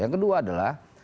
yang kedua adalah